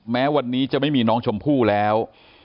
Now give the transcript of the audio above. แม้วันนี้จะไม่มีน้องชมพู่แล้ว